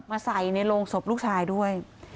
ใส่ในโรงศพลูกชายด้วย